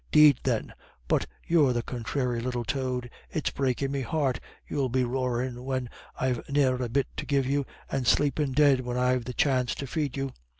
'Deed, then, but you're the conthráry little toad. It's breakin' me heart you'll be roarin' when I've ne'er a bit to give you, and sleepin' dead, when I've the chance to feed you."